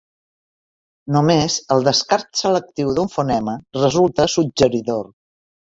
Només el descart selectiu d'un fonema resulta suggeridor.